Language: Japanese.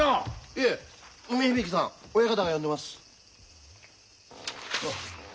いえ梅響さん親方が呼んでます。